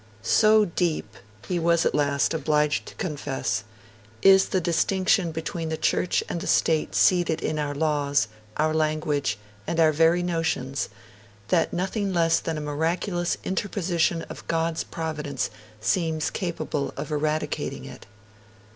'So deep', he was at last obliged to confess, 'is the distinction between the Church and the State seated in our laws, our language, and our very notions, that nothing less than a miraculous interposition of God's Providence seems capable of eradicating it.'